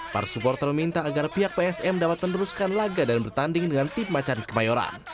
para supporter meminta agar pihak psm dapat meneruskan laga dan bertanding dengan tim macan kemayoran